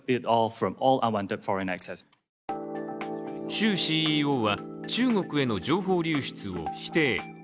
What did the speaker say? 周ＣＥＯは中国への情報流出を否定。